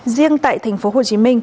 riêng tại tp hcm